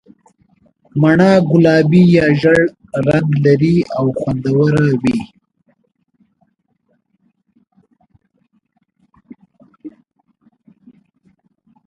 مڼه ګلابي یا ژېړ رنګ لري او خوندوره وي.